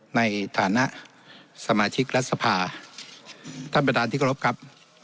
ในฐานะสมาชิกรัฐสภาท่านประธานที่กรบครับ